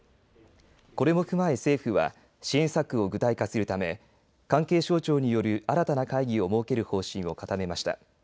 これも踏まえ政府は支援策を具体化するため関係省庁による新たな会議を設ける方針を固めました。